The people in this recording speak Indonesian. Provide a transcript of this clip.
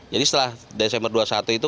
jadi setelah desember dua ribu dua puluh satu itu